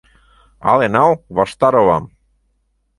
Але нал Ваштаровам!